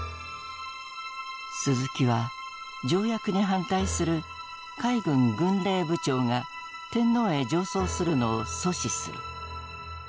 鈴木は条約に反対する海軍軍令部長が天皇へ上奏するのを阻止する。